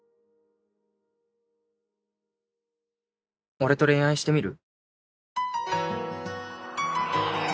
俺と恋愛してみる？